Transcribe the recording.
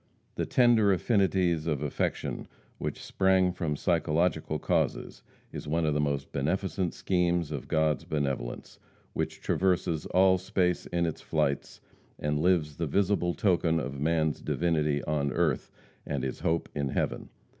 The tender affinities of affection which sprang from psychological causes is one of the most beneficent schemes of God's benevolence, which traverses all space in its flights, and lives the visible token of man's divinity on earth and his hope in heaven.